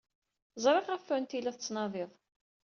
Ẓriɣ ɣef wanta ay la ttnadint.